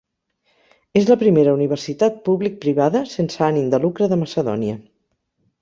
És la primera universitat públic-privada sense ànim de lucre de Macedònia.